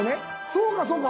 「そうかそうか。